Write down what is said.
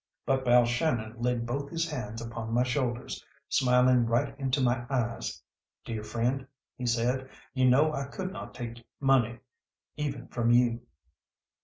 But Balshannon laid both his hands upon my shoulders, smiling right into my eyes. "Dear friend," he said, "you know I could not take money, even from you."